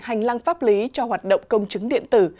hành lang pháp lý cho hoạt động công chứng điện tử